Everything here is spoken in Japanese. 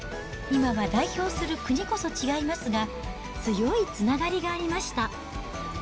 今は代表する国こそ違いますが、強いつながりがありました。